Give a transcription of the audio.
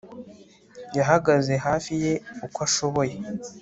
yahagaze hafi ye uko ashoboye